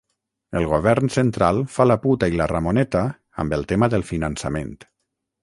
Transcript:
El Govern central fa la puta i la Ramoneta amb el tema del finançament.